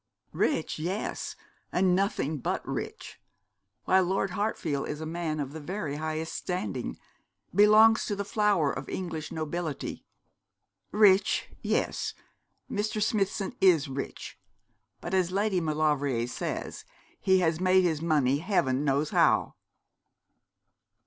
'Rich, yes; and nothing but rich; while Lord Hartfield is a man of the very highest standing, belongs to the flower of English nobility. Rich, yes; Mr. Smithson is rich; but, as Lady Maulevrier says, he has made his money heaven knows how.'